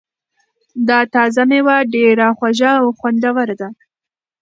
دا تازه مېوه ډېره خوږه او خوندوره ده.